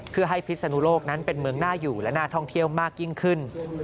เพื่อให้พิศนุโลกนั้นเป็นเมืองน่าอยู่และน่าท่องเที่ยวมากยิ่งขึ้น